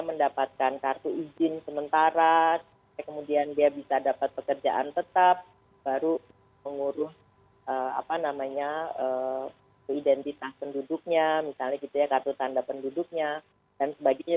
mendapatkan kartu izin sementara kemudian dia bisa dapat pekerjaan tetap baru menguruh identitas penduduknya misalnya gitu ya kartu tanda penduduknya dan sebagainya